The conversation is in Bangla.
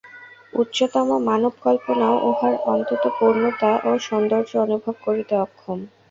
উচ্চতম মানব-কল্পনাও উহার অনন্ত পূর্ণতা ও সৌন্দর্য অনুভব করিতে অক্ষম।